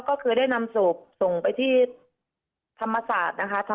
ก็คือได้นำศพส่งไปที่ธรรมศาสตร์นะคะ